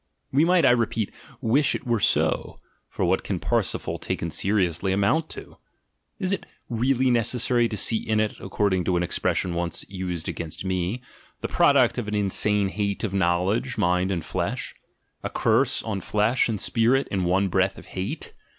We might, I repeat, wish it were so, for what can Parsifal, taken seriously, amount to? Is it really necessary to see in it (according to an ex g8 THE GENEALOGY OF MORALS pression once used against me) the product of an insane hate of knowledge, mind, and flesh? A curse on flesh and spirit in one breath of hate?